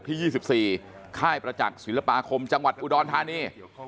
ที่๒๔ค่ายประจักษ์ศิลปาคมจังหวัดอุดรธานี